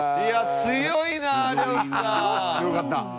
強かった。